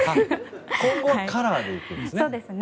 今後はカラーで行くんですね。